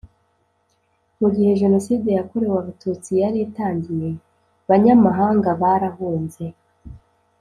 Mu gihe Jenoside yakorewe Abatutsi yari itangiye banyamahanga barahunze